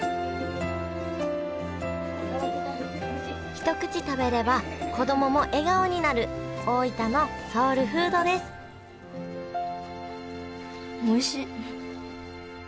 一口食べれば子供も笑顔になる大分のソウルフードですおいしっ！